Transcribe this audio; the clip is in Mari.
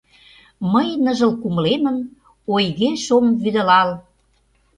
Мый ныжыл кумылемым Ойгеш ом вӱдылал.